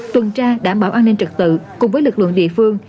tuần tra đảm bảo an ninh trật tự cùng với lực lượng địa phương